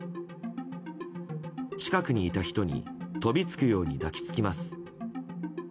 近くにいた人に飛びつくように抱きつきます。